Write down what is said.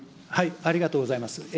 ありがとうございます。